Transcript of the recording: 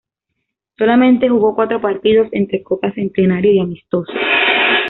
Solamente jugó cuatro partidos entre Copa Centenario y amistosos.